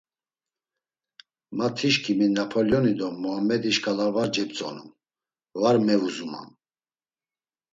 Ma tişǩimi Napolyoni do Muammedi şǩala var cep̌tzonum, var mevuzumam.